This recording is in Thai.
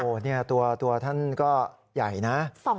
โอ้โฮตัวท่านก็ใหญ่นะ